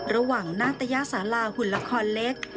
ระหว่างนาตยาศาลาหุ่นละครเล็ก